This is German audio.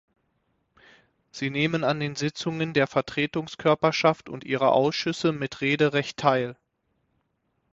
Sie nehmen an den Sitzungen der Vertretungskörperschaft und ihrer Ausschüsse mit Rederecht teil.